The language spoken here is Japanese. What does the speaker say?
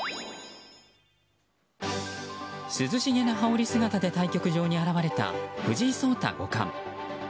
涼しげな羽織姿で対局場に現れた藤井聡太五冠。